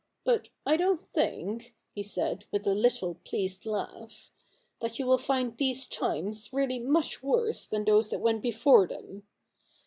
But I don't think,' he said, with a Uttle pleased laugh, ' that you will find these times really much worse than those that went before them.